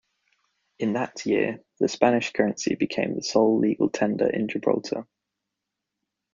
In that year, the Spanish currency became the sole legal tender in Gibraltar.